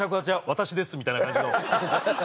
「私です」みたいな感じの。